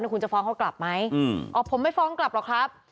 คุณจะฟ้องเขากลับไหมอ๋อผมไม่ฟ้องกลับหรอกครับ